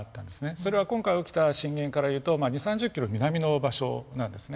それは今回起きた震源からいうと２０３０キロ南の場所なんですね。